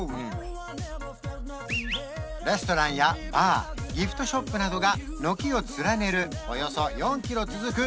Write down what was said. レストランやバーギフトショップなどが軒を連ねるおよそ４キロ続く